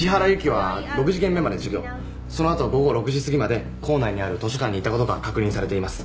その後は午後６時すぎまで校内にある図書館にいたことが確認されています。